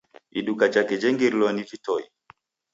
Iduka jake jengirilwa ni vitoi